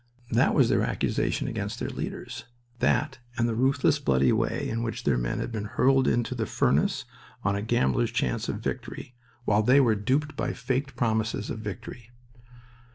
That was their accusation against their leaders that and the ruthless, bloody way in which their men had been hurled into the furnace on a gambler's chance of victory, while they were duped by faked promises of victory.